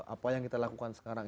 apa yang kita lakukan sekarang